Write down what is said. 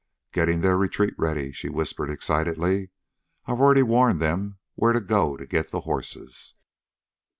"Getting their retreat ready," she whispered excitedly. "I've already warned them where to go to get the horses."